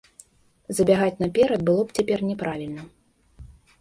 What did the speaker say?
Забягаць наперад было б цяпер няправільна.